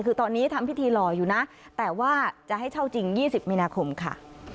คือตอนนี้ทำพิธีหล่ออยู่นะแต่ว่าจะให้เช่าจริง๒๐มีนาคมค่ะ